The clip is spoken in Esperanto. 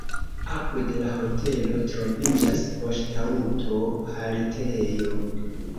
Apud la hotelo troviĝas poŝtaŭto-haltejo.